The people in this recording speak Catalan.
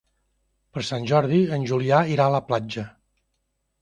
Per Sant Jordi en Julià irà a la platja.